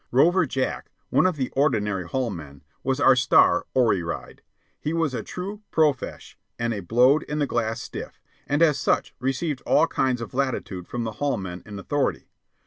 Rover Jack, one of the ordinary hall men, was our star "oryide." He was a true "profesh," a "blowed in the glass" stiff, and as such received all kinds of latitude from the hall men in authority.